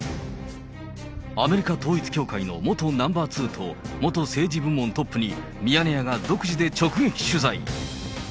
アメリカ統一教会の元ナンバー２と、元政治部門トップに、ミヤネ屋が独自で直撃取材。